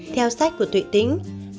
theo sách của thuệ tính